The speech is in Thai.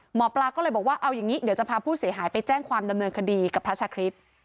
หมอปลาก็เลยบอกว่าเอาอย่างนี้เดี๋ยวจะพาผู้เสียหายไปแจ้งความดำเนินคดีกับพระชาคริสต์